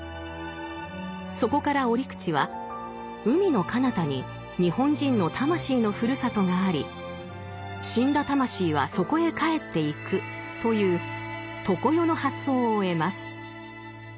そこから折口は海のかなたに日本人の魂のふるさとがあり死んだ魂はそこへ帰っていくという「常世」の発想を得ます。